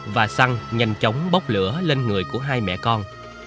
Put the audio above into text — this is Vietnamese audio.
và xăng nhanh chóng bốc lửa lên người của hai mẹ con